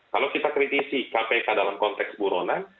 kalau kita kritisi kpk dalam konteks buronan